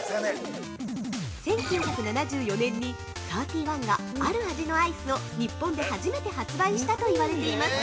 １９７４年にサーティワンがある味のアイスを初めて日本で初めて発売したと言われています。